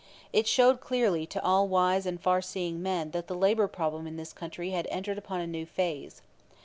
It showed clearly to all wise and far seeing men that the labor problem in this country had entered upon a new phase.